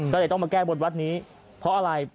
ก็เลยต้องมาแก้บนวัดนี้เพราะอะไร